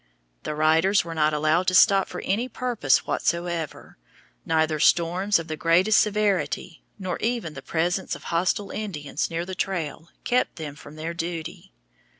The riders were not allowed to stop for any purpose whatsoever; neither storms of the greatest severity nor even the presence of hostile Indians near the trail kept them from their duty.